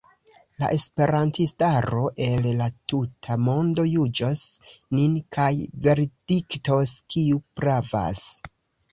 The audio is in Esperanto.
La esperantistaro el la tuta mondo juĝos nin kaj verdiktos, kiu pravas.